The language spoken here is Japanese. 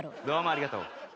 どうもありがとう。